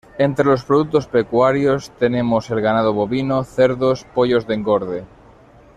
Entre los productos pecuarios tenemos el ganado bovino, cerdos, pollos de engorde.